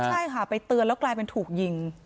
ใช่ค่ะไปเตือนแล้วกลายเป็นถูกยิง